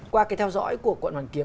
qua cái theo dõi của quận hàn kiếm